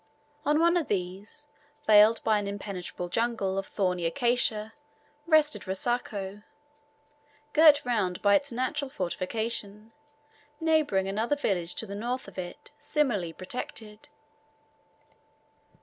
On one of these, veiled by an impenetrable jungle of thorny acacia, rested Rosako; girt round by its natural fortification, neighbouring another village to the north of it similarly protected.